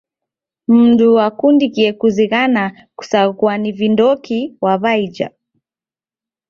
Mndu wakundikie kuzighana kusaghua ni vindoki waw'iaja.